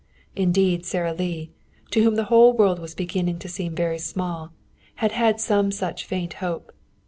Indeed Sara Lee, to whom the world was beginning to seem very small, had had some such faint hope.